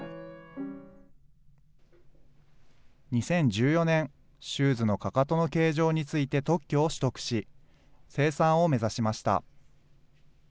２０１４年、シューズのかかとの形状について特許を取得し、生産を目指しました。